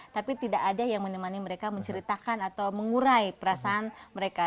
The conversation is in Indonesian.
tapi tidak ada yang menemani mereka menceritakan atau mengurai perasaan mereka